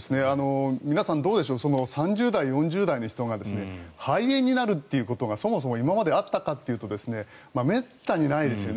皆さんどうでしょう３０代、４０代の人が肺炎になるということがそもそも今まであったかというとめったにないですよね。